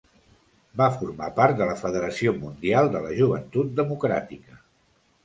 Va formar part de la Federació Mundial de la Joventut Democràtica.